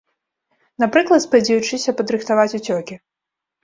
Напрыклад, спадзеючыся падрыхтаваць уцёкі.